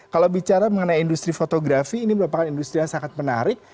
kalau bicara mengenai industri fotografi ini merupakan industri yang sangat menarik